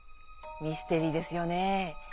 ミステリーですよね。